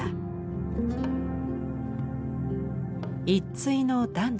一対の男女。